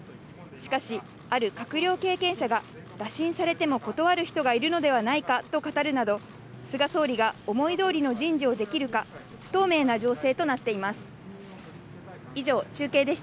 しかし、ある閣僚経験者が打診されても断る人がいるのではないかと語るなど、菅総理が思い通りの人事をできるか不透明な情勢となっています。